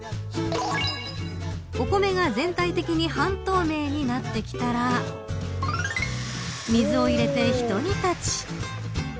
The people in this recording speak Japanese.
お米が全体的に半透明になってきたら水を入れてひと煮立ち。